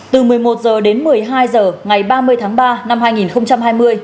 từ một mươi một h đến một mươi hai h ngày ba mươi tháng ba năm hai nghìn hai mươi